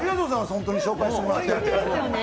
本当に紹介してもらって！